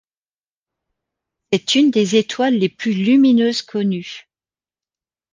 C'est une des étoiles les plus lumineuses connues.